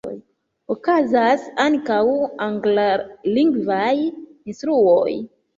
Okazas ankaŭ anglalingvaj instruoj.